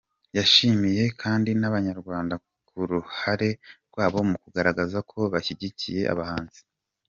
Yashimiye kandi n’Abanyarwanda ku ruhare rwabo mu kugaragaza ko bashyigikiye abahanzi.